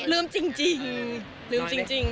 ลืมจริงลืมจริง